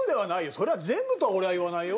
それは全部とは俺は言わないよ。